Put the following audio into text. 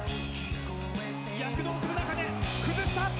躍動する中で、崩した。